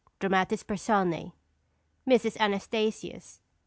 Dramatis Personæ. MRS. ANASTASIUS.